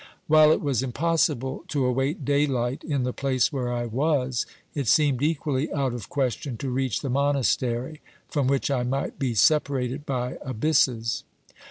While it was impossible to await daylight in the place where I was, it seemed equally out of question to reach the monastery, from which I might be separated by abysses.